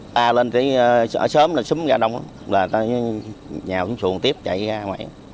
ta lên tới sớm là xuống ghe đông nhà xuống xuồng tiếp chạy ra ngoài